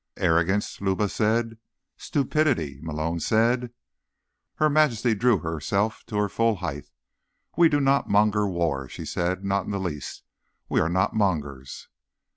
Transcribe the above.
"Arrogance?" Luba said. "Stupidity?" Malone said. Her Majesty drew herself to her full height. "We do not monger war," she said. "Not in the least. We are not mongers."